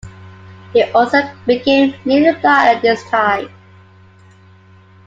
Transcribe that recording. He also became nearly blind at this time.